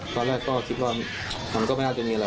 ก็คิดว่าก็ไม่ได้จะมีอะไร